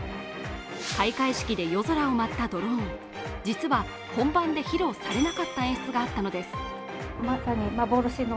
開会式で夜空を舞ったドローン、実は本番で披露されなかった演出があったのです。